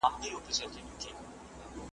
ويل پلاره يوه ډله ماشومان وه .